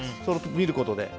見ることで。